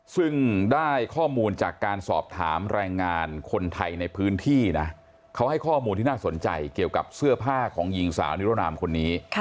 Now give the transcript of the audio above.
ซึ่งได้ข้อมูลจากการสอบถามแรงงานคนไทยในพื้นที่นะเขาให้ข้อมูลที่น่าสนใจเกี่ยวกับเสื้อผ้าของหญิงสาวนิรนามคนนี้